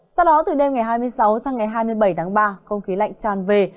sau đó từ đêm ngày hai mươi sáu sang ngày hai mươi bảy tháng ba không khí lạnh tràn về